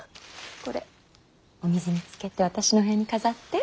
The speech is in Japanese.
これお水につけて私の部屋に飾って。